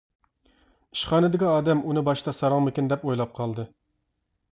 ئىشخانىدىكى ئادەم ئۇنى باشتا ساراڭمىكىن دەپ ئويلاپ قالدى.